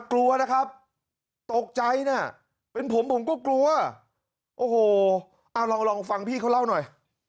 กลัวนะครับตกใจนะเป็นผมผมก็กลัวโอ้โหเอาลองฟังพี่เขาเล่าหน่อย